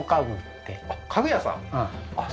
家具屋さん？